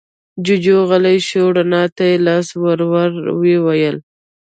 جوجُو غلی شو، رڼا ته يې لاس ور ووړ، ويې ويل: